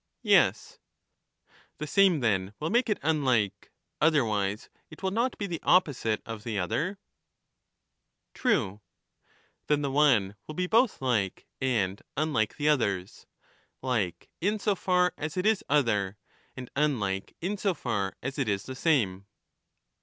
Yes. The same then will make it unlike ; otherwise it will not be the opposite of the other. True. Then the one will be both like and unlike the others ; like in so far as it is other, and unlike in so far as it is the same.